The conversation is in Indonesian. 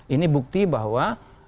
ini bukti bahwa